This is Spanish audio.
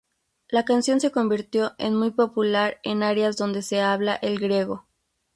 La canción se convirtió en muy popular en áreas donde se habla el griego.